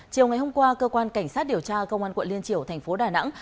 chiều ngày hôm qua cơ quan cảnh sát điều tra công an quận liên triều thành phố đà nẵng